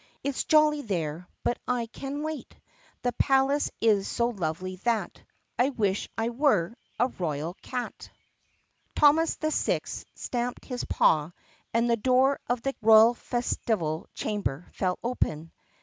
It's jolly there but I can wait. The palace h so lovely that I wish I were a royal cat ! T HOMAS VI stamped his paw and the door of the royal festival chamber flew open.